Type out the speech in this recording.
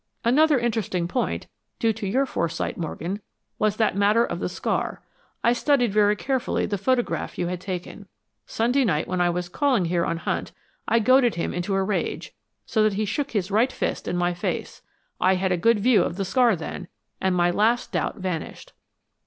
"Another interesting point, due to your foresight, Morgan, was that matter of the scar. I studied very carefully the photograph you had taken. Sunday night, when I was calling here on Hunt, I goaded him into a rage, so that he shook his right fist in my face. I had a good view of the scar then, and my last doubt vanished."